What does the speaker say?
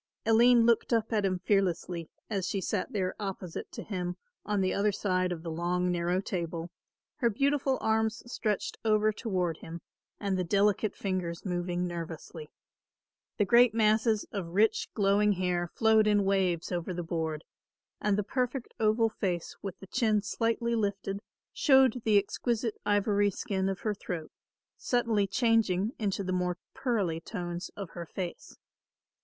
Aline looked up at him fearlessly, as she sat there opposite to him on the other side of the long narrow table, her beautiful arms stretched over toward him and the delicate fingers moving nervously. The great masses of rich glowing hair flowed in waves over the board, and the perfect oval face with the chin slightly lifted showed the exquisite ivory skin of her throat, subtly changing into the more pearly tones of her face.